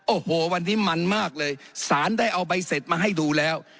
โอ้โหวันนี้มันมากเลยสารได้เอาใบเสร็จมาให้ดูแล้ว